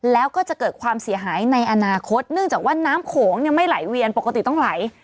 แล้วก็จะเกิดความเสียหายในอนาคตเนื่องจากว่าน้ำโขงเนี่ยไม่ไหลเวียนปกติต้องไหล